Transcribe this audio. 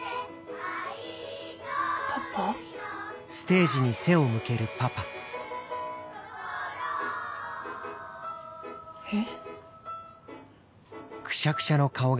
パパ？えっ？